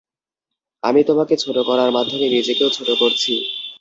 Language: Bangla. আমি তোমাকে ছোট করার মাধ্যমে নিজেকেও ছোট করছি।